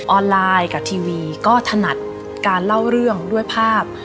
ออนไลน์กับทีวีก็ถนัดการเล่าเรื่องด้วยภาพ